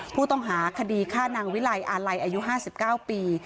ผู้ต้องหาคดีฆ่านางวิลัยอาลัยอายุ๕๙ปี